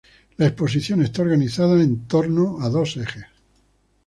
La exposición está organizada en torno a dos ejes.